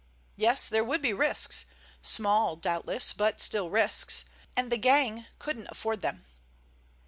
Yes, there would be risks. Small, doubtless, but still risks. And the gang couldn't afford them.